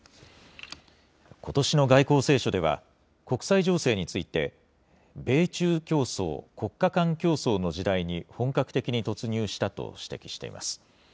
ことしの外交青書では、国際情勢について、米中競争・国家間競争の時代に本格的に突入したと指摘しています。